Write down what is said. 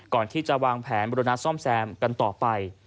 ก่อนที่จะวางแผนบริณาซ่อมแซมกันต่อไป